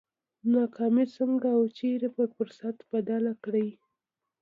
ناکامي څنګه او چېرې پر فرصت بدله کړي؟